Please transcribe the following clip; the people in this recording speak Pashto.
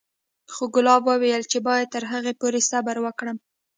خو ګلاب وويل چې بايد تر هغې پورې صبر وکړم.